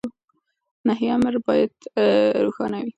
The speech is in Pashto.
نهي امر بايد روښانه وي.